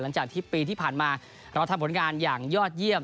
หลังจากที่ปีที่ผ่านมาเราทำผลงานอย่างยอดเยี่ยม